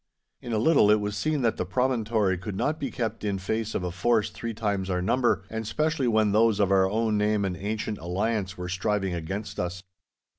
In a little it was seen that the promontory could not be kept in face of a force three times our number, and specially when those of our own name and ancient alliance were striving against us.